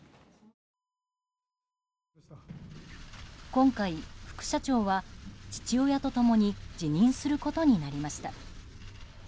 今回、副社長は父親と共に辞任することになりました。